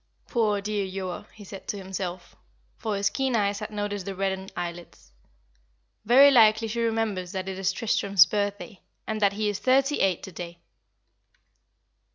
"Poor dear Joa," he said to himself, for his keen eyes had noticed the reddened eyelids. "Very likely she remembers that it is Tristram's birthday, and that he is thirty eight to day."